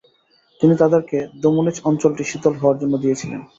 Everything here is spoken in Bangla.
তিনি তাদেরকে দোমানীচ অঞ্চলটি শীতল হওয়ার জন্য দিয়েছিলেন।